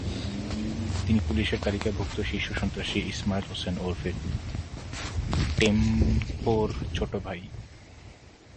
তিনি পুলিশের তালিকাভুক্ত শীর্ষ সন্ত্রাসী ইসমাইল হোসেন ওরফে টেম্পোর ছোট ভাই।